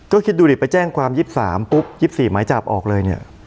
ก็คิดดูดิไปแจ้งความ๒๓ปุ๊บ๒๔หมายจับออกเลยเนี่ย